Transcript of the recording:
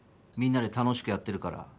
みんなで楽しくやってるから。